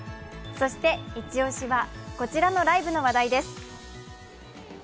そして一押しは、こちらのライブの話題です。